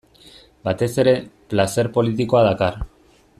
Batez ere, plazer politikoa dakar.